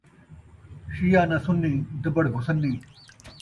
شیعہ ناں سنّی ، دٻڑ گھسنّی